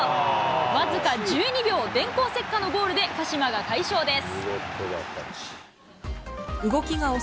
僅か１２秒、電光石火のゴールで鹿島が快勝です。